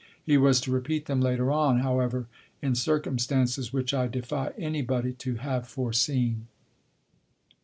He was to repeat them later on, however, in circumstances which I defy anybody to have foreseen.